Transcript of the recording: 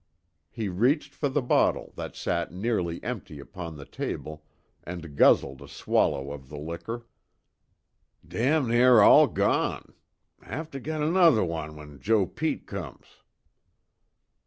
He reached for the bottle, that sat nearly empty upon the table, and guzzled a swallow of the liquor. "Damn near all gone. Have to get nosher one when Joe Pete comes."